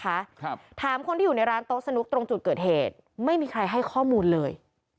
ครับถามคนที่อยู่ในร้านโต๊ะสนุกตรงจุดเกิดเหตุไม่มีใครให้ข้อมูลเลย